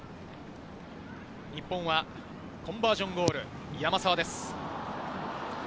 日本はコンバージョンゴール、山沢です。